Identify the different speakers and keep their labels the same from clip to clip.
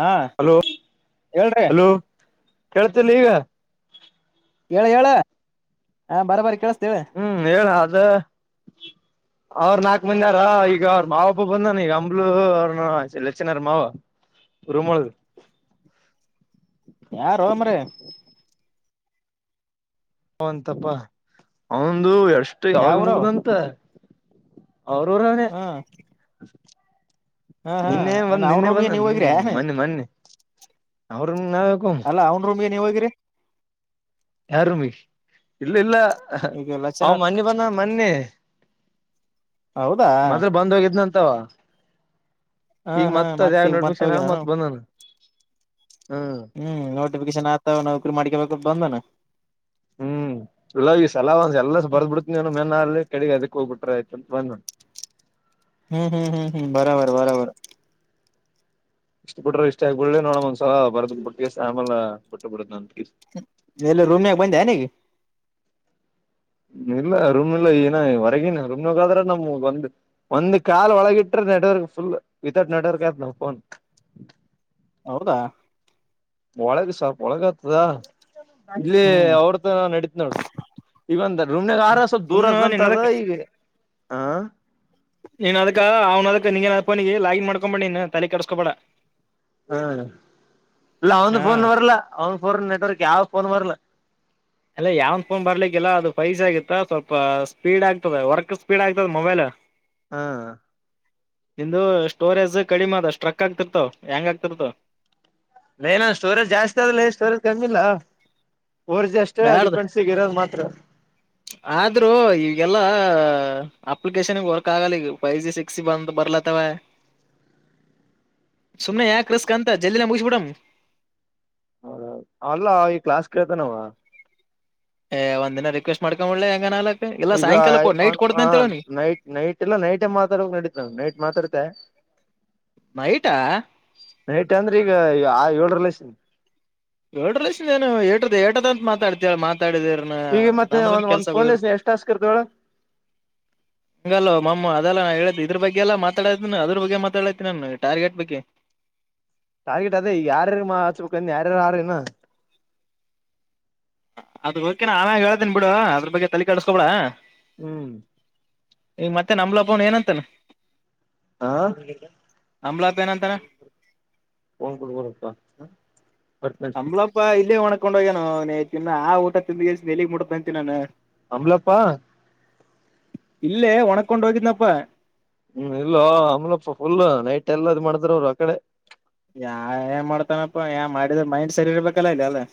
Speaker 1: ಹಾ
Speaker 2: ಹಲೋ
Speaker 1: ಹೇಳ್ರಿ
Speaker 2: ಹಲೋ ಕೇಳುತ್ತಿಲ್ ಈಗ.
Speaker 1: ಹೇಳ ಹೇಳ ಹಾ ಹಾ ಬರ ಬರಿ ಕೇಳಸ್ತ ಹೇಳ.
Speaker 2: ಹ್ಮ್ ಹೇಳ ಅದ ಅವ್ರ ನಾಲ್ಕು ಮಂಡ್ಯಾರ ಈಗ ಅವ್ರ ಮಾವ ಹಬ್ಬ ಬಂದಾನ ಈಗ ಅಂಬ್ಲು ಅವ್ರಚ್ಚನಾರ ಮಾವ. ರೂಮೊಲ್ಗಾ
Speaker 1: ಯಾರೋಮರಾಯ.
Speaker 2: ಹಂತಪ್ಪಾ ಅವಂದು ಎಷ್ಟು ಯಾವಾಗ
Speaker 1: ಯಾವೂರು
Speaker 2: ಮುಗ್ದಂತ. ಅವರೂರಾವನೆ.
Speaker 1: ಹ್ಮ ಹಾ ಹಾ
Speaker 2: ನಿನ್ನೆ ಬಂದ
Speaker 1: ಅವ್ನ್
Speaker 2: ನಿನ್ನೆ
Speaker 1: ರೂಮ್ಗೆ
Speaker 2: ಬಂದ
Speaker 1: ನೀವ್
Speaker 2: ನಿ
Speaker 1: ಹೋಗಿರಿ
Speaker 2: ಮೊನ್ನೆ ಮೊನ್ನೆ ಅವ್ರ ರೂಮ್ಗೆ ನಾವ್ಯಕ್ ಹೋಗಂ.
Speaker 1: ಹ ಅವ್ ರೂಮ್ಗೆ ನೀವು ಹೋಗಿರಿ
Speaker 2: ಯಾರೂಂಗೆ ಇಲ್ಲ ಇಲ್ಲ
Speaker 1: ಈಗ ಲಕ್ಷಣ
Speaker 2: ಅವ ಮನ್ನಿ ಬಂದನಾ ಮನ್ನಿ.
Speaker 1: ಹೌದಾ
Speaker 2: ಮದಲ್ ಬಂದ್ ಹೋಗಿದ್ನ ಅಂತವ.
Speaker 1: ಹಾ
Speaker 2: ಈಗ
Speaker 1: ಹಾ
Speaker 2: ಮತ್ತ ಅದ ಯಾವ
Speaker 1: ಈಗ
Speaker 2: ನೋಡ
Speaker 1: ಮತ್ತ
Speaker 2: ಅಡ್ಮಿಶನ್
Speaker 1: ಹೋಗಿ ನಾನು
Speaker 2: ಮತ್ ಬಂದಾನ [unintelligible] ಹ
Speaker 1: ಹ್ಮ್ ನೋಟಿಫಿಕೇಶನ್ ಆತಾವ ನೌಕರಿ ಮಾಡಕಬೇಕು ಬಂದನಾ.
Speaker 2: ಹ್ಮ್ ಇಲ್ಲ ಈ ಸಲ ಒಂದ ಎಲ್ಲಾ
Speaker 1: ಹ್ಮ್
Speaker 2: ಬರ್ಬ ಬಿಡ್ತಿನವ ಮೆ ಅ ಕಡೆ ಅದಕ್ಕೆ ಹೋಗ್ ಬಿಟರ್ ಆಯತ ಅಂತ ಬಂದ ನು.
Speaker 1: ಹುಂ ಹುಂ ಹುಂ ಹುಂ ಬರೋಬರಿ ಬರಬರ್.
Speaker 2: ಇಷ್ಟ ಬಿಟ್ಟ್ರ ಇಷ್ಟ ಆಗಿಬಡಿ ನೋಡಣ ಒಂದ್ಸಲ ಬರದಕ್ ಬಟ್ಟಿಗೆ ಸಾಮಲ್ ಬಿಟ್ಟು ಬಿಡಂತಕೇಸಿ
Speaker 1: ಎಲ್ಲಿ ರೂಂನ್ಯಾಗ್ ಬಂದೆನಿಗ್
Speaker 2: ಇಲ್ಲ ರೂಮ್ ಇಲ್ಲ ಏನ ಹೊರಗಿನ ರೂಮ್ಗಾದ್ರ ನಮ್ ಒಂದ್ ಒಂದ್ ಕಾಲ್ ಒಳಗಿಟ್ರೆ ನೆಟ್ವರ್ಕ್ ಫುಲ್ ವಿತೌಟ್ ನೆಟ್ವರ್ಕ್ ಆಯ್ತವು ಫೋನ್.
Speaker 1: ಹೌದಾ
Speaker 2: ಒಳಗ ಸ್ವಲ್ಪ ಒಳಗ ಆತದ ಇಲ್ಲಿ
Speaker 1: ಹ್ಮ್
Speaker 2: ಅವ್ರತ ನಡೀತ್ ನೋಡ್. ಈಗ ಒಂದ ರೂಂನ್ಯಾಗ್ ಆರ್ ಸ್ವಲ್ಪ್
Speaker 1: ಸುಮ್ನ
Speaker 2: ದೂರದಂತದ
Speaker 1: ನಿನ್ನದಕ್
Speaker 2: ಈಗ ಹ.
Speaker 1: ನೀನ್ ಅದಕ ಅವ್ನ ಅದಕ್ ನಿ ಅ ಪನಿ ಲಾಗಿನ್ ಮಾಡ್ಕೊಂಬ ಬಿಡ್ ನೀನ್ ತಲೆ ಕೆಡಿಸ್ಕೊಬೇಡ.
Speaker 2: ಹ್ [unintelligible] ಇಲ್ಲ ಅವದ
Speaker 1: ಹಾ
Speaker 2: ಫೋನ್ ಬರ್ಲ ಅವನ ಫೋನ್ ನೆಟ್ವರ್ಕ್ ಯಾವ ಫೋನ್ ಬರ್ಲ್ಲ.
Speaker 1: ಅಲ್ಲ ಯಾವ್ ಫೋನ್ ಬರ್ಲಿಕ್ಕಿಲ್ಲ ಅದು ಪೈಸ ಆಗಿತ್ತ ಸ್ವಲ್ಪ ಸ್ಪೀಡ್ ಆಗ್ತದ ವರ್ಕ್ ಸ್ಪೀಡ್ ಆಗ್ತದ ಮೊಬೈಲ್.
Speaker 2: ಹಾ
Speaker 1: ನಿಮ್ದ ಸ್ಟೋರೇಜ್ ಕಡಿಮೆ ಅದ ಸ್ಟ್ರಕ್ ಆಗ್ತಿರ್ತವ ಹ್ಯಾಂಗ್ ಆಗ್ತಿರ್ತಾವ.
Speaker 2: ಏನ ಸ್ಟೋರೇಜ್ ಜಾಸ್ತಿ ಆದಲೇ ಸ್ಟೋರೇಜ್ ಕಮ್ಮಿಲ್ಲಾ ಫೋರ್ಜಿ ಅಷ್ಟೇ
Speaker 1: ಯಾರ್ದ
Speaker 2: ಡಿಪೆಂಡ್ ಸಿಗ ಇರೋದು ಮಾತ್ರ
Speaker 1: ಆದ್ರೂ ಈಗೆಲ್ಲ ಅಪ್ಲಿಕೇಶನ್ಗ್ ವರ್ಕ್ ಆಗಲ್ಲ ಈಗ ಫೈವ್ ಜಿ ಸಿಕ್ಸ್ ಜಿ ಬಂದು ಬರ್ಲತ್ತವ
Speaker 2: ಹ
Speaker 1: ಸುಮ್ಮನೆ ಯಾಕ ರಿಸ್ಕ್ ಅಂತ ಜಲ್ಡಿನೆ ಮುಗಿಸ್ಬಿಡಾನ್.
Speaker 2: ಹೌದಾ ಅಲ್ಲಾ ಈಗ ಕ್ಲಾಸ್ ಕೇಳ್ತನವ.
Speaker 1: ಏ ಒಂದ್ ದಿನ ರಿಕ್ವೆಸ್ ಮಾಡಕೊಂಬಿಡಲೇ ಹೆಂಗ ಆಕ್ ಎಲ್ಲಾ
Speaker 2: ಈಗ
Speaker 1: ಸಾಯಂಕಾಲ ಕೊ ನೈಟ್ ಕೊಡ್ತೀನಿ ಅಂತ ಹೇಳ ಅವರಿಗೆ
Speaker 2: ನೈಟ್ ಎಲ್ಲಾ ನೈಟ್ ಮಾತಾಡಬೇಕ್ ನಡತ ನವು ನೈಟ್ ಮಾತಾಡ್ತೀಯಾ
Speaker 1: ನೈಟಾ
Speaker 2: ನೈಟ್ ಅಂದ್ರೆ ಈಗ ಆರ ಏಳೂ ಲಸ [unintelligible]
Speaker 1: ರೋಡ್ರೇನು ಏಟ ಏಟದ ಅಂತ ಮಾತಾಡ್ತ ಮಾತಾಡಿತಿಯಾ
Speaker 2: ಈಗ ಮತ್ತೆ ಒಂದ ಒಂದ್ ಫೋನ್ ಎಷ್ಟ ಟಾಸ್ಕರ್ತವ ಹೇಳ
Speaker 1: ಹಂಗಲ್ಲೋಮ್ಮ ಅದೆಲ್ಲ ನಾ ಹೇಳಿದ್ದ ಇದ್ರ ಬಗ್ಗೆಲ್ಲ ಮಾತಾಡತನ ಅದ್ರ ಬಗ್ಗೆ ಮಾತಾಡಾತ ನಾನ್ನ ಟಾರ್ಗೆಟ್ ಬಗ್ಗೆ
Speaker 2: ಟಾರ್ಗೆಟ್ ಅದೇ ಈ ಯಾರ ಹಚ್ಬೇಕುಂದ ಯಾರ ಯಾರಾ ಎನು
Speaker 1: ಅದರ ಬಗ್ಗೆ ನಾ ಆಮೇಲೆ ಹೇಳ್ದೇನ್ ಬಿಡು ಅದ್ರ ಬಗ್ಗೆ ತಲೆ ಕಡಸ್ಕೊಬೇಡಾ
Speaker 2: ಹುಂ
Speaker 1: ಈಗ ಮತ್ತೆ ನಂಬ್ಲಪ್ಪಬ ಏನ ಅಂತಾನ
Speaker 2: ಹಾ
Speaker 1: ಅಂಬಲಪ ಎನಂತಾನ
Speaker 2: [unintelligible]
Speaker 1: ಹಪಾ ಇಲ್ಲೇ ಒಣಕೊಂಡ್ ಹೋಗ್ಯ ನಿನು ಎತಿನ್ನ ಆ ಊಟ ತಿಂದಕೇಸಿದ ಎಲ್ಲಿಗ್ ಮುಟ್ಟದ್ದ ಅಂತಿ ನಾನು
Speaker 2: ಅಂಬ್ಲಪ್ಪಾ
Speaker 1: ಇಲ್ಲೇ ಒಣಕೊಂಡ್ ಹೋಗಿದ್ದನಪ್ಪ
Speaker 2: ಹ್ಮ್ ಇಲ್ಲ ಅಮ್ಲಪ್ಪ ಫುಲ್ ನೈಟ್ ಎಲ್ಲಾ ಇದ ಮಾಡಿದತ್ರ ಅವ್ರು ಆ ಕಡೆ
Speaker 1: ಯಾ ಏನ್ ಮಾಡ್ತಾನಪ್ಪಾ ಯ ಮಾಡಿದ್ರ ಮೈಂಡ್ ಸರೀ ಇರ್ಬೇಕಲ್ಲ ಇಲ್ಲಿ ಎಲ್ಲಾ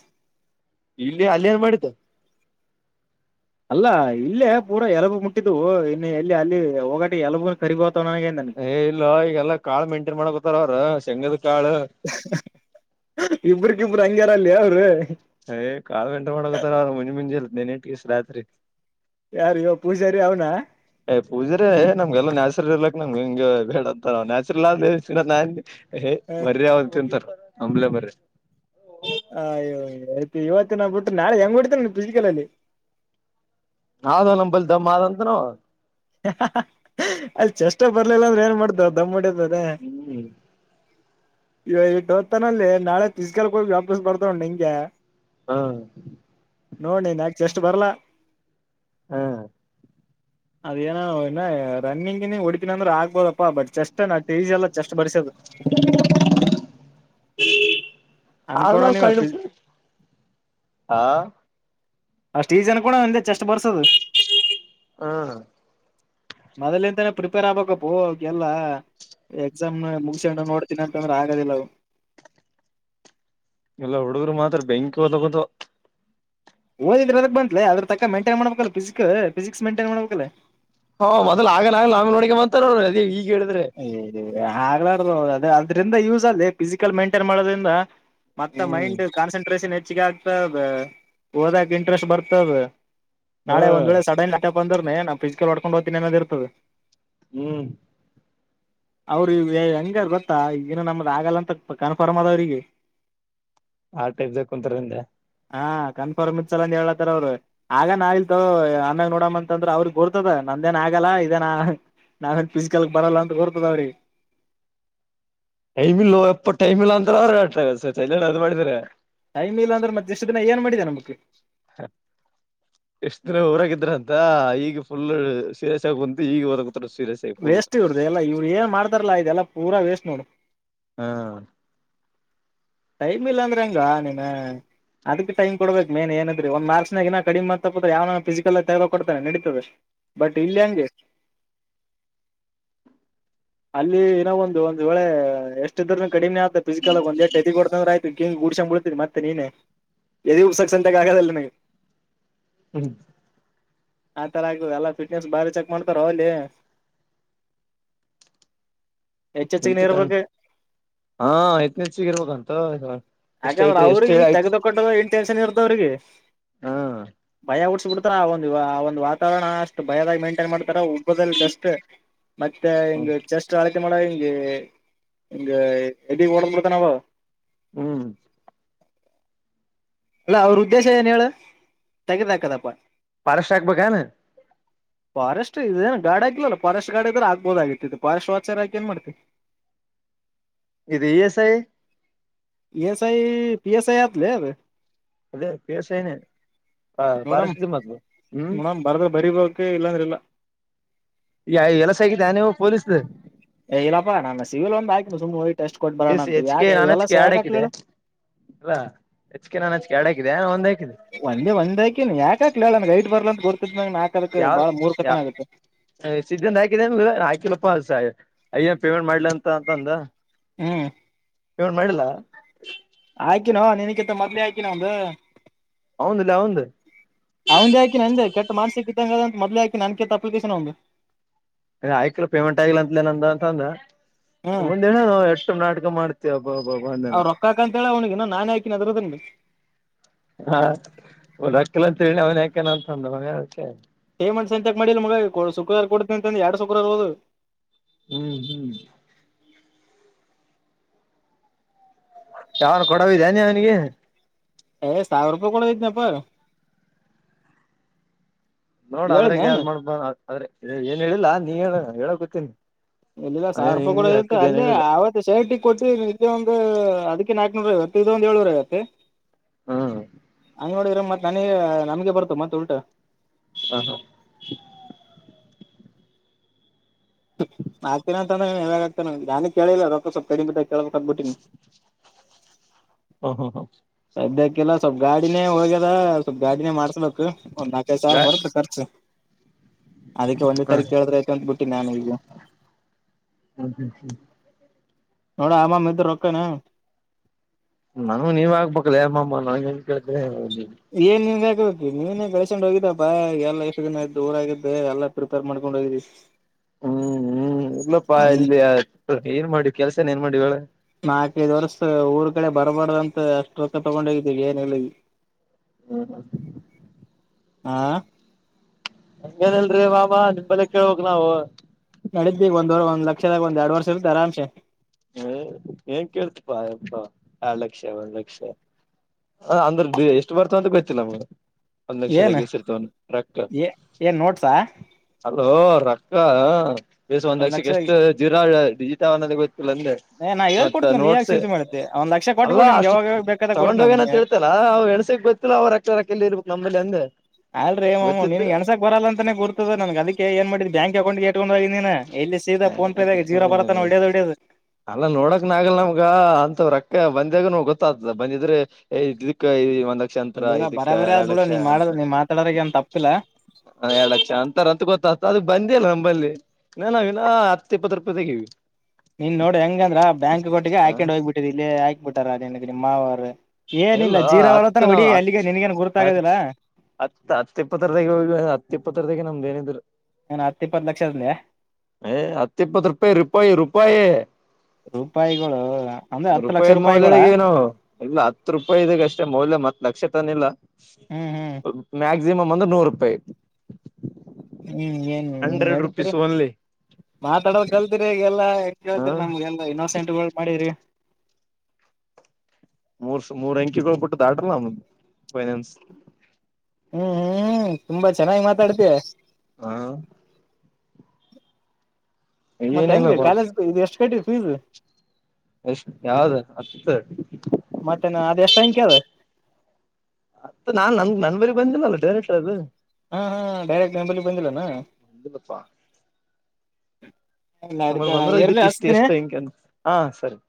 Speaker 2: ಇಲ್ಲಿ ಅಲ್ಲಿ ಏನ್ ಮಾಡಿದ್ದು
Speaker 1: ಅಲ್ಲ ಇಲ್ಲೇ ಪೂರಾ ಎಲಬು ಮುಟ್ಟಿದ್ದವು ಇನ್ನು ಎಲ್ಲಿ ಅಲ್ಲಿ ಹೊೋಗಟಿ ಎಲಬು ಕರಿಬೋತವ ನನಗೆ ನ್ ನನಗೆ
Speaker 2: ಏ ಇಲ್ಲೋ ಈಗಲ್ಲ ಕಾಳು ಮೇಂಟೈನ್ ಮಾಡ್ಕೊತಾರ ಅವ್ರ ಶೆಂಗದ್ ಕಾಳು
Speaker 1: [inaudible] ಇಬ್ರಕ್ಕಿಬರು ಹಂಗ್ಯಾರ ಅಲ್ಲಿ ಅವ್ರ
Speaker 2: ಯ್ ಕಾಳಗಂಟ ಮಾಡಕತಾರ ಅವರು ಮುಂಜಿ ಮುಂಜಿಲ್ ನೆನೆಟಗೆಸಿರಾತ್ರಿ
Speaker 1: ಯಾರ ಇವಾ ಪೂಜಾರಿ ಅವನ
Speaker 2: ಏ ಪೂಜರೇ ನಮ್ಗೆಲ್ಲಾ ನ್ಯಾಚುರಲ್ ಇರಲಾಕ್ ನಮ್ಗೆ ಹಂಗ ಬೇಡ ಅಂತ ನಮಗನ್ಯಾಚುರಲ್ ಆದಲೇ ಅಂತ ನಾನಂತಿನಿ. ಏಯ್
Speaker 1: ಹ
Speaker 2: ಬರ್ಯ ಅವ್ ತಿಂತಾರ ನ [unintelligible] ಮ್ಲೆೇ ಬರ್ರ
Speaker 1: ಅಯ್ಯ ಐತಿ ಇವತ್ತು ನಾ ಬಿಟ್ಟ ನಾಳೆ ಹೆಂಗ್ ಹೊಡ್ತಾನ ನ ಫಿಸಿಕಲ್ ಅಲ್ಲಿ.
Speaker 2: ಆದ ನಂಬಲ್ ದಮ್ಮ ಆದಂತ ನವಾ
Speaker 1: ಅಲ್ಲಿ ಚಷ್ಟ ಬರ್ಲಿಲ್ಲ ಅಂದ್ರೆ ಏನ್ ಮಾಡತ ದಮ್ಮೊಡದ್ ದ
Speaker 2: ಹ್ಮ್
Speaker 1: [inaudible] ಈವಾಇಟೋತನಲ್ಲೇ ನಾಳೆ ಪಿಸಿಕಲ್ ಹೋಗಿ ವಾಪಸ್ ಬರ್ತಾ ನೋಡನಿಂಗೆ.
Speaker 2: ಹಾ,
Speaker 1: ನೋಡ್ ನೀನ್ ಯಾಕೆಚೆಷ್ಟ ಬರಲ್ಲಾ.
Speaker 2: ಹಾ,
Speaker 1: ಅದೇನೋ ಇನ್ನ ರನ್ನಿಂಗ್-ಗಿನ್ನಿಂಗ ಹೊಡಿತಿನ ಅಂದ್ರೆ ಆಗ್ಬೋದಪ್ಪಾ. ಬಟ್ ಚೆಸ್ಟ್ ನಾ ಈಜಿ ಅಲ್ಲ ಚೆಸ್ಟ್ ಬರಿಸದು.
Speaker 2: [inaudible] ಅ ನ
Speaker 1: ಅನ್ಕೋಣ
Speaker 2: ಕ
Speaker 1: ನೀವ
Speaker 2: ಆ
Speaker 1: ಅಷ್ಟು ಈಜಿ ಅನಕೊಂಡಾನ ಅಂದೆಚೇಷ್ಟ ಬರ್ಸೋದು.
Speaker 2: ಹಾ,
Speaker 1: ಮೊದಲಿಂದಾನೇ ಪ್ರಿಪೇರ್ ಆಗ್ಬೇಕಪ್ಪು ಅವುಕೆಲ್ಲಾ ಎಕ್ಸಾಮ ನ ಮುಗ್ಸಂಡ ನೋಡ್ತೀನಿ ಅಂತಂದ್ರೆ ಆಗದಿಲ್ಲಾವು.
Speaker 2: ಎಲ್ಲಾ ಹುಡುಗರು ಮಾತ್ರ ಬೆಂಕಿ [unintelligible]
Speaker 1: ಓದಿದ್ರ ಎದಕ ಬಂತ್ಲೇ ಅದಕ ತಕ್ಕ ಮೈಂಟೈನ್ ಮಾಡಬೇಕಲ್ಲ ಫಿಸಿಕ್ ಫಿಸಿಕ್ ಮೈಂಟೈನ್ ಮಾಡ್ಬೇಕಲ್ಲಾ.
Speaker 2: ಓಹೋ ಮೊದ್ಲು ಆಗನ್ ಆಗ್ಲಿ ನಮ್ದ ನೋಡಕಂ [unintelligible] ಮತ ನೋ್ರ ಅದೇ ಈಗ ಹೇಳಿದ್ರೆ
Speaker 1: ಆಗ್ಲಾರ ಅದ ಅದ್ರಿಂದ ಯೂಸ್ ಅಲ್ಲಿ ಫಿಸಿಕಲ್ ಮೈಂಟೈನ್ ಮಾಡೋದ್ರಿಂದ. ಮತ್ತ
Speaker 2: ಹ್ಮ್
Speaker 1: ಮೈಂಡ್ ಕಾನ್ಸನ್ಟ್ರೇಷನ್ ಹೆಚ್ಚಗಿ ಆಗ್ತದ ಓದಕ್ ಇಂಟ್ರೆಸ್ಟ್ ಬರ್ತದ.
Speaker 2: ಹಾ
Speaker 1: ನಾಳ ಒಂದ್ ವೇಳೆ ಸಡನ್ಲಿ ಅಂದ್ರ ನಾ ಫಿಜಿಕಲ್ ಒಡಕೊಂಡ ಹೋಗ್ತೀನಿ ಅನ್ನದ ಇರ್ತದ.
Speaker 2: ಹ್ಮ್,
Speaker 1: ಅವ್ರ ಹೆಂಗಾರ ಗೊತ್ತಾ ಏನು ನಮ್ದ ಆಗಲ್ಲ ಅಂತ ಕನ್ಫರ್ಮ್ ಅದಾಅವ್ರಿಗೆ.
Speaker 2: ಆ ಟೈಪ್ ಬೇಕ ಕುಂತಾರೆಂದ್ಯಾ
Speaker 1: ಹಾ, ಕನ್ಫರ್ಮ್ ಇತ್ಸಲ ಅಂದ ಹೇಳತಾರ ಅವರು. ಆಗನ ಹಾಗ್ಲಿತಗೋ ಆಮ್ಯಾಗ ನೋಡಮ್ಮ ಅಂತ ಅಂದ್ರ ಅವ್ರಗ್ ಗೋರ್ತದ ನಂದೇನ್ ಆಗಲ್ಲ ಇದೇನಾ ನಾವೇನ್ ಪಿಸಿಕಲ್ ಬರಲ್ಲ ಅಂತ ಗೂರ್ತದಾವ್ರಿಗೆ.
Speaker 2: ಟೈಮ ಇಲ್ಲೊ ಎಪ್ಪ ಟೈಮ ಇಲ್ಲ ಅಂತ ಅವರು ಆತಾರೆ ಸರ್ ಚಂತನ ಅದು ಮಾಡಿದ್ರೆ.
Speaker 1: ಟೈಮ್ ಇಲ್ಲ ಅಂದ್ರೆ ಮತ್ತೆ ಇಷ್ಟು ದಿನ ಏನ್ ಮಾಡಿದೆ ನಮಕ್
Speaker 2: ಹ [inaudible] ಇಷ್ಟ್ ದಿನ ಊರಾಗಿದ್ರ ಅಂತ ಈಗ ಫುಲ್ ಸೀರಯಸ್ ಆಗಿ ಬಂತು ಈಗ ಓದ ಕುಂತ್ತಾರ ಸೀರಯಸ್.
Speaker 1: ವೇಸ್ಟ್ ಇವ್ರುದ ಎಲ್ಲ ಇವ್ರುಏನ ಮಾಡತಾರಲ್ಲ ಇದೆಲ್ಲ ಪೂರ ವೇಸ್ಟ್ ನೋಡು.
Speaker 2: ಹಾ [inaudible]
Speaker 1: ಟೈಮ್ ಇಲ್ಲಾಂದ್ರೆ ಹೆಂಗೊ ನೀನ ಅದಕ್ ಟೈಮ್ ಕೊಡಬೇಕ ಮೇನ್ಏನಿದ್ರಿ ಒ ಮಾರ್ಕ್ನ್ಸನಾಗ ಕಡಿಮೆಬಂತಪ ಅಂದ್ರೆ ಯಾವನ ಫಿಸಿಕಲ್ ತಗದ ವಕೊಡ್ತಾರ ನಡತದ. ಬಟ್ ಇಲ್ಲಿ ಹೆಂಗ ಅಲ್ಲಿ ಇನ್ನಾ ಒಂದು ಒಂದ್ ವೇಳ ಎಷ್ಟ ಇದ್ರ ಕಡಿಮೆ ಆಗ್ತದೆ ಫಿಸಿಕಲ್ ಒಂದ ಎಟ್ ಎದಿ ಕೊಡ್ತಂದ್ರೆ ಆಯ್ತು. ಂ [unintelligible] ಗ್ ಗುಡ್ಸಂದ ಕುಂದ್ರತಿದಿ ಬಿಡ್ತೀರಿ ಮತ್ತೆ ನೀನೆ ಎದಿಉಬ್ಬಸದ ಆಗದಿಲ್ಲ ನಿನಗೆ.
Speaker 2: ಹ್ಮ್ [inaudible]
Speaker 1: ಆತರ ಆಗ್ತದೆ ಎಲ್ಲ ಫಿಟ್ನೆಸ್ ಬಾರಿ ಚೆಕ್ ಮಾಡ್ತಾರೊ ಅಲ್ಲಿ. ಹೆಚ್ಚ ಹೆಚ್ಚಿಗೆ
Speaker 2: ಎಲ್ತ್ ಕಣ
Speaker 1: ಇರ್ಬೇಕು
Speaker 2: ಹಾ ಹೆಚ್ಚಿಗೆ ಇರ್ಬೇಕಂತ. ಎಷ್ಟ
Speaker 1: ಯಾಕಂದ್ರ
Speaker 2: ಐಟ್ ಎಷ್ಟ
Speaker 1: ಅವ್ರಿಗಿ
Speaker 2: ಆಯ್ತ್
Speaker 1: ತೆಗದೊಕಟ್ಟದ ಇನಟೆನ್ಷನ್ ಇರ್ತದ ಅವ್ರಿಗಿ
Speaker 2: ಹ್
Speaker 1: ಭಯ ಉಟ್ಟಸ್ಬಿಡ್ತಾರ ಆ ಒಂದ್ ಆ ಒಂದ್ ವಾತಾವರಣ ಅಷ್ಟ ಭಯದಾಗಿ ಮೆಂಟೈನ್ ಮಾಡ್ತಾರ ಹೊದಲ್ ಜಸ್ಟ್ ಮತ್ತೆ ಹಿಂಗ ಜಸ್ಟ್ ಆಳತಿ ಮಾಡಗ ಹಿಂಗೆ ಹಿಂಗ ಎದಿಗ ಓಡ ಬಿಡ್ತಾನವ್
Speaker 2: ಹ್ಮ್
Speaker 1: ಇಲ್ಲ ಅವ್ರ ಉದ್ದೇಶ ಏನ್ ಹೇಳ ತೆಗದಾಕದಪ್ಪ
Speaker 2: ಫಾರೆಸ್ಟ್ ಹಾಕ್ಬೇಕೆನ್
Speaker 1: ಫಾರೆಸ್ಟ್ ಇದೇನ್ ಗಾಡ ಆಕಿಲ್ಲಲ್ಲ್ ಫಾರೆಸ್ಟ್ ಗಾಡ ಇದ್ರ ಹಾಕಬಹುದು ಆಗಿತ್ತ್ ಇದ್ ಫಾರೆಸ್ಟ್ ವಾಚರಾಕಿ ಏನ್ ಮಾಡ್ತಿ
Speaker 2: ಇದ್ E S I
Speaker 1: E S I P S I ಆತಲೆ ಅದ್
Speaker 2: ಅದೇ ಪಿ ಎಸ್ ಏನೇ ಹ ಫಾರೆಸ್ಟಿಕಿ ಮದ್ಲ ಹ್ಮ್
Speaker 1: ಬರ್ದ ಬರಿಬೇಕ ಇಲ್ಲಾಂದ್ರ ಇಲ್ಲ
Speaker 2: ಈ ಎಲ್ಲಸಾಕಿದೇನ ಇವು ಪೊಲೀಸದ್
Speaker 1: ಏ ಇಲ್ಲಪ್ಪ ನಾನ್ ಸಿವಲ್ ಒಂದ್ ಹಾಕಿ ಸುಮ್ಮ ಹೋಗಿ ಟೆಸ್ಟ್ ಕೊಟ್ಟು ಬರೋಣ
Speaker 2: ಏಸ
Speaker 1: ಅಂತ
Speaker 2: ಹೆಚ್ ಕೆ
Speaker 1: ಯಾಕೆ
Speaker 2: ನಾನ
Speaker 1: ಇವೆಲ್ಲ
Speaker 2: ಹೆಚಕೆ
Speaker 1: ಯಾಕೆ
Speaker 2: ಎಡಾಕಿದೆ
Speaker 1: ಹಾಕ್ಲಿಲ್ಲ
Speaker 2: ಅಲ್ಲಾ ಹೆಚ್ ಕೆ ನಾನ್ ಹೆಚ್ ಕೆ ಎಡಾಕಿದೇನ್ ಒಂದೆ ಹಾಕಿದೆ
Speaker 1: ಒಂದೇ ಒಂದೇ ಹಾಕಿನಿ ಯಾಕ ಯಾಕ್ಲಿಲ್ಲೇಳ್ ನನಗ್ ಹೈಟ್ ಬರ್ಲ ಅಂತ ಗೊತ್ತಿದ್ ನನಗ ನಾಕದಕ್ ಅದಕ್ ಬಾಳ ಮೂರ್ ಕತನ ಆಗತ್ತೆ
Speaker 2: ಸಿದ್ಧೆಂದ ಹಾಕಿದೇಂಗ ಹಾಕಿಲಪ ಅಯ್ಯ ಪೇಮೆಂಟ್ ಮಾಡ್ಲಿ ಅಂತ ಅಂತ ಅಂದ
Speaker 1: ಹ್ಮ್
Speaker 2: ಪೇಮೆಂಟ್ ಮಾಡಿಲ್ಲ
Speaker 1: ಆಕೀನೋ ನೀನಕಿತ್ತ ಮದ್ಲೇ ಆಕೀನೋ ಅವಂದ್
Speaker 2: ಅವನ್ದಲೇ ಅವಂದ್
Speaker 1: ಅವಂದೇ ಹಾಕಿನಂದೇ ಕೆಟ್ಟ ಮಾನಸಿಕ ಇದಂಗದ ಅಂತ ಮೊದ್ಲೆ ಹಾಕಿನ್ ನನ್ ಕಿತ್ತ ಅಪ್ಲಿಕೇಶನ್ ಅವಂದ್
Speaker 2: ಏ ಹಾಕಿಲ್ಲ ಪೇಮೆಂಟ್ ಆಗಿಲ್ಲ ಅಂತಲೇ ನಂದ ಅಂತ‌ ಅಂದ
Speaker 1: ಹ್ಮ್
Speaker 2: ಮುಂದೆನ ಎಷ್ಟ ನಾಟಕ ಮಾಡ್ತಿ ಅಬ್ಬ ಅಬ್ಬಬ್ಬ
Speaker 1: ಅವ್ರ
Speaker 2: ಅಂದೆನಾ
Speaker 1: ರೊಕ್ಕ ಹಾಕಂತೇಳಿ ಅವ್ನಿಗೆ ಇನ್ನ ನಾನೇ ಹಾಕಿನ ಅದ್ರದನ್
Speaker 2: ಹಾ ರೂಕ್ಕಿಲಂತ ಹೇಳಿನಿ ಅವನೆ ಹಾಕೆನಂತಂದ ಮಗ್ ಅದಕ್ಕೆ
Speaker 1: ಪೇಮೆಂಟಸತೆಕ್ ಮಾಡಿಲ್ಲ ಮಗ ಕೊ ಶುಕರವಾರ್ ಕೊಡ್ತಿನಿ ಅಂತಂದ್ ಎರಡ ಶುಕರವಾರ ಹೋದುವ್
Speaker 2: ಹ್ಮ್ ಹ್ಮ್ ಯಾವ ಅರ್ ಕೊಡವಿದೆನೆ ನೀ ಅವನಿಗಿ
Speaker 1: ಏ ಸಾವಿರ ರೂಪಾಯ ಕೊಡವಿದನೆಪ್ಪ
Speaker 2: ನೋಡ ಅದ್ರಾಗೆ
Speaker 1: ಹೇಳಿನೇನು
Speaker 2: ಆಡ್ ಮಾಡ್ಬ ಅಂದ್ರ ಏನ್ ಹೇಳಿಲ್ಲಾ ನೀ ಹೇಳ ಹೇಳಕೊತ್ತೀನಿ
Speaker 1: ಇಲ್ಲಿಲ್ಲ ಸಾವಿರ ರೂಪಾಯ ಕೂಡದ್ ಇತ್ತ ಅಲ್ಲೆ
Speaker 2: ಹೇಳಿಲ್ಲ
Speaker 1: ಅವತ್ತ್ ಶರ್ಟಿಗ ಕೊಟ್ಟಿವ್ ನಿದೆ ಒಂದ್ ಅದಕ್ಕೆ ನಾಕ್ನೂರ ಐವತ್ತ್ ಇದೊಂದ ಒಂದ ಏಳ್ನೂರ ಐವತ್ತ್
Speaker 2: ಹ್ಮ್
Speaker 1: ಅಂಗ ನೋಡಿದ್ರ ಮತ್ ನನಗೆ ನಮಗೆ ಬರತವ್ ಮತ್ತ್ ಉಲ್ಟಾ
Speaker 2: ಹ ಹಾ
Speaker 1: ಆಕತೀನ ಅಂತ ಅಂದಾನ ಇನ್ನ್ ಯಾವಗಾಕತ್ತನ್ ನಾನ್ ಕೇಳಿಲ್ಲ ರೊಕ್ಕ ಸ್ವಲ್ ಕಡಿಮಿ ಬಿದ್ದಾಗ್ ಕೇಳಬೇಕಂತ್ ಬುಟ್ಟಿನಿ
Speaker 2: ಹ್ಮ ಹ್ಮ ಹ್ಮ್
Speaker 1: ಸದ್ಯಕ್ಕಿಲ್ಲ ಸ್ವಲ್ಪ್ ಗಾಡಿನೇ ಹೋಗ್ಯದ ಸ್ವಲ್ಪ್ ಗಾಡಿನೇ ಮಾಡ್ಸ್ಬೇಕ್ ಒಂದ ನಾಕ್ ನಾಕ ಐದ ಸಾವಿರ
Speaker 2: ಹಾ
Speaker 1: ಬರುತ್ತೆ ಖರ್ಚು ಅದಕ್ಕೆ ಒಂದೇ
Speaker 2: ಹಾ
Speaker 1: ಸಾರಿ
Speaker 2: ಹ
Speaker 1: ಕೇಳಿದ್ರ ಆಯ್ತ್ ಅಂತ ಬುಟ್ಟಿನ್ ನಾನು ಈಗ
Speaker 2: ಹ್ಮ ಹ್ಮ ಹ್ಮ್
Speaker 1: ನೋಡಮ್ಮ ಆಮಾಗ್ ಮತ್ತೆ ರೊಕ್ಕನ್
Speaker 2: ನಮಗ ನೀವೆ ಹಾಕಬೇಕಲೇ ಮಾಮ್ಮ ನನಗೆ ಏನ್ ಕೇಳ್ತಲೇ
Speaker 1: ಏನ್ ನಿನಗೆ ಹಾಕಬೇಕು ನೀನೇ ಗಳಸೆಂಡ್ ಹೋಗಿದ್ದಪ್ಪಾ ಎಲ್ಲ ಇಷ್ಟ ದಿನಾಯತ್ ಊರಾಗಿದ್ದ ಎಲ್ಲ ಪ್ರಿಪೇರ್ ಮಾಡ್ಕೊಂಡ ಹೋಗಿದ್ದೀ
Speaker 2: ಹ್ಮ್ ಹ್ಮ್ ಇಲ್ಲಪ್ಪಾ ಅಲ್ಲಿ ಏನ್ ಮಾಡಿವ್ ಕೆಲ್ಸನ ಏನ್ ಮಾಡಿವ ಹೇಳ್
Speaker 1: ನಾಕೈದ ವರ್ಸ ಊರ್ ಕಡೆ ಬರ್ಬಾರ್ದಂತ ಅಷ್ಟು ರೊಕ್ಕ ತಗೊಂಡ ಹೋಗಿದ್ದೀವಿ ಏನ್ ಇಲ್ಲ ಈಗ್.
Speaker 2: ಹ್ಮ ಹ್ಮ
Speaker 1: ಆ
Speaker 2: ಹಂಗೇನಿಲ್ರೀ ಮಾಮಾ ನಿಂಬಲ್ಲೇ ಕೇಳ್ಬೇಕ್ ನಾವು.
Speaker 1: ನಡಿತದ್ ಈಗ ಒಂದ್ ಒಂದ ಲಕ್ಷದ ಒಂದ ಯಾಡ್ ವರ್ಷ ಇರ್ತಿ ಆರಾಮ್ಸೇ.
Speaker 2: ಹ್ಮ ಏನ್ ಕೇಳ್ತಪ್ಪಾ ಯಪ್ಪಾ ಯಾಡ್ ಲಕ್ಷ ಒಂದ್ ಲಕ್ಷ ಹ ಅಂದ್ರ ಬಿ ಎಷ್ಟ ಬರ್ತದ ಅಂತ ಗೊತ್ತಿಲ್ಲ ನಮಗ. ಒಂದ್
Speaker 1: ಏನ್
Speaker 2: ಲಕ್ಷದಾಗ ಎಸ್ ಇರ್ತಾವ್ ನಿಮ್ಮ ಟ್ರಕ್
Speaker 1: ಏ ಏನ್ ನೋಟ್ಸಾ
Speaker 2: ಅಲ್ಲೋ ರಕ್ಕ ಎಸ್ ಒಂದ್ ಲಕ್ಷಕ್ಕ ಎಷ್ಟ ಜಿರೋ ಆವ ಡಿಜಿಟ್ ಆವ ಗೊತ್ತ ಲ್ಲಂದೆ
Speaker 1: ಏ ನಾ
Speaker 2: ಮತ್ತ್
Speaker 1: ಹೇಳ್ಕೊಡ್ತನ ನೀ ಯಾಕೆ
Speaker 2: ನೋಟ್ಸ್
Speaker 1: ಚಿಂತೆ ಮಾಡತ್ತೆ ಒಂದ್ ಲಕ್ಷ
Speaker 2: ಅಲ್ಲ
Speaker 1: ಕೊಟ್ಬಿಡ್ ನಿನ್ಗೆ
Speaker 2: ಅಷ್ಟು
Speaker 1: ಯಾವಾಗ ಬೇಕಾದಾಗ ಕೊಡ್ತ
Speaker 2: ತಗೊಂಡ್
Speaker 1: ನನ್
Speaker 2: ಹೋಗೇನಂತ ಹೇಳ್ತ ಲ್ಲ ಅವ್ ಎಣಸಕ್ ಗೊತ್ತಿಲ್ಲಾ ಅವ್ ರಕ್ಕ ರಕ್ಕಲ್ಲಿ ಇರ್ಬೇಕ ನಂಬಲ್ಲಿ ಅಂದೆ.
Speaker 1: ಅಲ್ರೀ ಮಾಮ್ ನಿನ್ಗ
Speaker 2: ಗೊತ್ತಿದ್ರ
Speaker 1: ಏನ್ಸಾಕ್ ಬರಲ್ಲ ಅಂತಾನೇ ಗೂರ್ತದ ನನ್ಗ ಅದಕ್ಕೆ ಏನ್ ಮಾಡಿದ್ದ ಬ್ಯಾಂಕ್ ಅಕೌಂಟ್ಗೆ ಇಟ್ಕೊಂಡ್ ಹೋಗಿ ನೀನ್. ಎಲ್ಲಿ ಸೀದ ಫೋನ್ ಪೇ ದಾಗ ಜೀರೋ ಬರೋತ್ತನಾ ಹೊಡ್ಯೋದ ಹೊಡ್ಯೋದ.
Speaker 2: ಅಲ್ಲಾ ನೋಡಕ್ನ ಆಗಲ್ಲ ನಮ್ಗ ಅಂತವ್ ರಕ್ಕ ಬಂದಾಗ ನಂಗ್ ಗೊತ್ತಾಗ್ತದ ಬಂದಿದ್ರೆ ಎ ಇದಕ್ಕ ಒಂದ್ ಲಕ್ಷ ಅಂತರ
Speaker 1: ಇಲ್ಲಿಲ್ಲ
Speaker 2: ಇದಕ್ಕ
Speaker 1: ಬರಾಬರಿ ಆದ್
Speaker 2: ಯಾಡ್
Speaker 1: ಬಿಡು
Speaker 2: ಲಕ್ಷ
Speaker 1: ನೀ ಮಾಡದ
Speaker 2: ಅಂತರ
Speaker 1: ನೀ ಮಾತಾಡೋರಗ ಏನ್ ತಪ್ಪಿಲ್ಲ
Speaker 2: ಹ ಯಾಡ್ ಲಕ್ಷ ಅಂತಾರ ಅಂತ ಗೊತ್ತಾತ ಅದು ಬಂದೇ ಇಲ್ಲ ನಂಬಲ್ಲಿ ಇನ್ನ್ ನಾ ನ ಹತ್ತ ಇಪ್ಪತ್ತ ರೂಪಾಯಿ ದಾಗೆ ಇದೀವಿ.
Speaker 1: ನೀನ್ ನೋಡಿ ಹೆಂಗಂದ್ರ ಬ್ಯಾಂಕ್ ಅಕೌಂಟಿಗೆ
Speaker 2: ಹ
Speaker 1: ಹಾಕ್ಯಂಡ ಹೋಗ್ಬಿಟ್ಟಿದಿ ಇಲ್ಲಿ ಹಾಕ್ಬಿಟಾರ ನಿನಗ ನಿಮ್ಮ ಮಾವರ. ಏನಿಲ್ಲ
Speaker 2: ಇಲ್ಲ
Speaker 1: ಜೀರಾ
Speaker 2: ಹತ್ತು
Speaker 1: ಹೊಲತ್ತಾನ
Speaker 2: ನಾವ್
Speaker 1: ಹೊಡಿ
Speaker 2: ಹತ್
Speaker 1: ಅಲ್ಲಿಗ ಏನ್ ನಿನ್ಗೆನ್
Speaker 2: ಹತ್
Speaker 1: ಗುರ್ತಾಗೋದಿಲ್ಲ.
Speaker 2: ಹತ್ ಹತ್ತ ಇಪ್ಪತ್ತರದಾಗ ಹೋಗ ಹತ್ತ ಇಪ್ಪತ್ತರದಾಗೆ ನಮ್ದ ಏನಿದ್ರು.
Speaker 1: ಏನ್ ಹತ್ತ ಇಪ್ಪತ್ ಲಕ್ಷ ಅದ್ಲೆ
Speaker 2: ಹ ಹತ್ತ ಇಪ್ಪತ್ತು ರೂಪಾಯಿ ರೂಪಾಯಿ ರೂಪಾಯಿ.
Speaker 1: ರೂಪಾಯಿಗಳೋ.
Speaker 2: ರೂಪಾಯಿ ಮೌಲ್ಯದಾಗ ಏನು ಇಲ್ಲ ಹತ್ತು ರೂಪಾಯಿ ಇದಾಗ ಅಷ್ಟೇ ಮೌಲ್ಯ ಮತ್ ಲಕ್ಷ ತನ್ ಇಲ್ಲ.
Speaker 1: ಹ್ಮ್ ಹ್ಮ್
Speaker 2: ಮ್ಯಾಕ್ಸಿಮಮ್ ಅಂದ್ರ ನೂರ ರೂಪಾಯಿ.
Speaker 1: ಹ್ಮ್ ಏನ್ ಹ್ಮ
Speaker 2: ಹಂಡ್ರೆಡ್
Speaker 1: ನಡಿತದ್ರೀ.
Speaker 2: ರುಪೀಸ್ ಓನ್ಲಿ
Speaker 1: ಮಾತಾಡೋ ಕಲ್ತರಿ ಈಗೆಲ್ಲಾ ಹೆಂಗ್
Speaker 2: ಹ
Speaker 1: ಕೇಳ್ತೀರಿ ನಮ್ಗೆಲ್ಲ ಇನ್ನೋಸೆಂಟ್ಗಳ ಮಾಡಿರಿ.
Speaker 2: ಮೂರ್ ಮೂರ್ ಅಂಕಿಗಳು ಬಿಟ್ಟು ದಾಟ್ರಿಲಾ ಮತ್ತ ಫೈನಾನ್ಸ್
Speaker 1: ಹ್ಮ್ ಹ್ಮ್ ತುಂಬಾ ಚೆನ್ನಾಗಿ ಮಾತಾಡ್ತಿ.
Speaker 2: ಹಾ
Speaker 1: ಮತ್ತ ಹೆಂಗೆ
Speaker 2: ಏನಿಲ್ಲಪ್ಪಾ
Speaker 1: ಕಾಲೇಜ್ ಇದು ಎಷ್ಟ ಕಟ್ಟಿದಿ ಫೀಸ್?
Speaker 2: ಎಷ್ಟ್ ಯಾವ್ದ ಹತ್ತ
Speaker 1: ಮತ್ತೆನ ಅದ ಎಷ್ಟ್ ಅಂಕಿ ಆದ?
Speaker 2: ಅ ನಾನ್ ನನ್ ನನ್ ಬಲ್ಲಿ ಬಂದಿಲ್ಲಲ್ಲ ಡೈರೆಕ್ಟರ್ ಅದು.
Speaker 1: ಹಾ ಹಾ ಡೈರೆಕ್ಟ್ ನಿಂಬಲ್ಲಿ ಬಂದಿಲ್ಲೆನ್?
Speaker 2: ಬಂದಿಲ್ಲಪ್ಪಾ ನಂಬಲ್ಲಿ
Speaker 1: ನಡೀತದ
Speaker 2: ಬಂದ್ರ
Speaker 1: ಎಲ್ಲಿ
Speaker 2: ಇದಕ್ಕ ಇಷ್ಟ
Speaker 1: ಹಚ್ತೀನಿ
Speaker 2: ಎಷ್ಟ ಹಿಂಗಂತ್ ಹ ಸರಿ